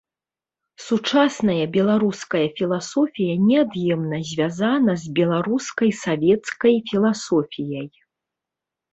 Сучасная беларуская філасофія неад'емна звязана з беларускай савецкай філасофіяй.